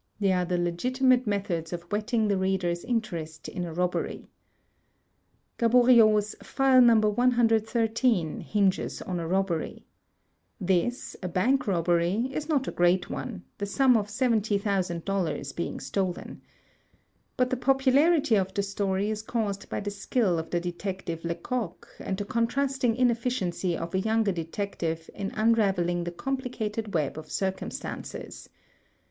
They are the legitimate methods of whetting the reader's interest in a robbery. Gaboriau's "File No. 113" hinges on a robbery. This, a bank robbery, is not a great one, the sima of $70,000 being stolen. But the popularity of the story is caused by the skill of the detective Lecoq and the contrasting ineflidency of a yoimger detective in unraveling the complicated web of cir cumstances.